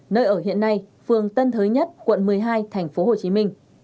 nơi ở hiện nay phường tân thới nhất quận một mươi hai tp hcm